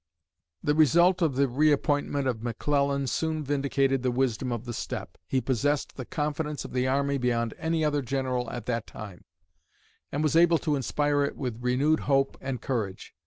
The result of the reappointment of McClellan soon vindicated the wisdom of the step. He possessed the confidence of the army beyond any other general at that time, and was able to inspire it with renewed hope and courage.